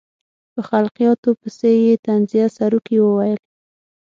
په خلقیاتو پسې یې طنزیه سروکي وویل.